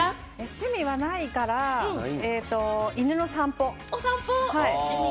趣味はないから、犬の散歩。